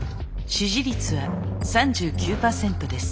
支持率は３４％です。